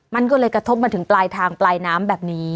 มันก็เลยกระทบมาถึงปลายทางปลายน้ำแบบนี้